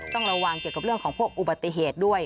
ต้องระวังเกี่ยวกับเรื่องของพวกอุบัติเหตุด้วย